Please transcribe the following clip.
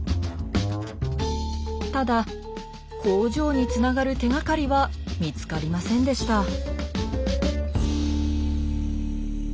ただ工場につながる手がかりは見つかりませんでした。